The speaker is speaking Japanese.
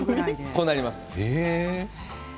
こうなります。